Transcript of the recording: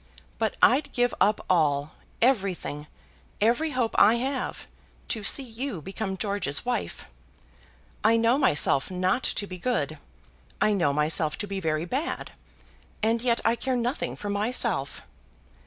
But I'd give up all, everything, every hope I have, to see you become George's wife. I know myself not to be good. I know myself to be very bad, and yet I care nothing for myself.